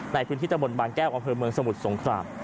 ในพื้นที่ตะบนบางแก้วอำเภอเมืองสมุทรสงคราม